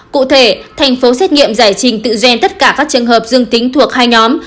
cụ thể thành phố xét nghiệm giải trình tự gen tất cả các trường hợp dương tính thuộc hai nhóm